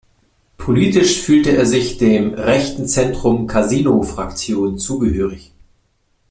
Politisch fühlte er sich dem Rechten Centrum Casino-Fraktion zugehörig.